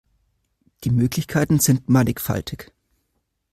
Die Möglichkeiten sind mannigfaltig.